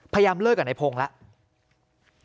พยายามเลิกกับนายพงศ์แล้ว